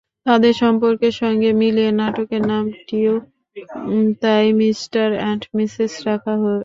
তাঁদের সম্পর্কের সঙ্গে মিলিয়ে নাটকের নামটিও তাই মিস্টার অ্যান্ড মিসেস রাখা।